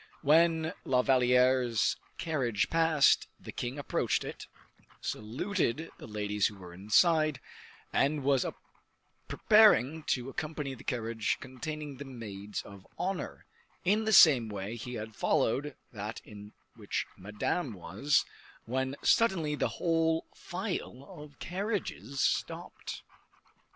When La Valliere's carriage passed, the king approached it, saluted the ladies who were inside, and was preparing to accompany the carriage containing the maids of honor, in the same way he had followed that in which Madame was, when suddenly the whole file of carriages stopped.